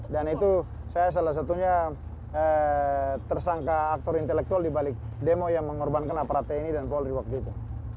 dan itu saya salah satunya tersangka aktor intelektual dibalik demo yang mengorbankan aparat tni dan polri waktu itu